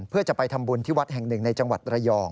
เพื่อจะไปทำบุญที่วัดแห่งหนึ่งในจังหวัดระยอง